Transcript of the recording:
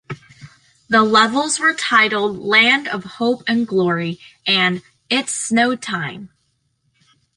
The levels were titled "Land of Hope and Glory", and "It's Snow Time".